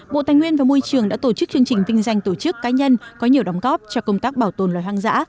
bộ tài nguyên và môi trường đã tổ chức chương trình vinh danh tổ chức cá nhân có nhiều đóng góp cho công tác bảo tồn loài hoang dã